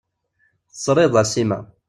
Teẓriḍ a Sima.